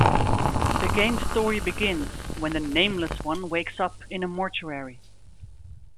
The game's story begins when The Nameless One wakes up in a mortuary.